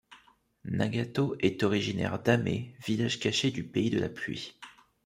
Nagato est originaire d'Ame, village caché du Pays de la Pluie.